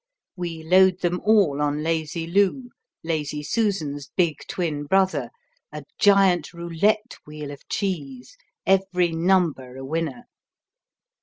We load them all on Lazy Lou, Lazy Susan's big twin brother, a giant roulette wheel of cheese, every number a winner.